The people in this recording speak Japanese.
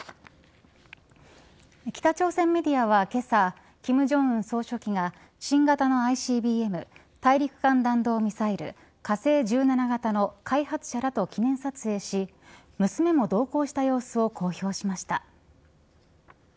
北朝鮮メディアはけさ金正恩総書記が新型のＩＣＢＭ大陸間弾道ミサイル火星１７型の開発者らと記念撮影し娘も同行した様子を公表しました。